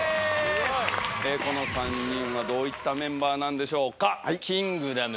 この３人はどういったメンバーなんでしょうか？